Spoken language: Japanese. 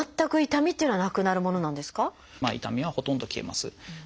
痛みはほとんど消えます。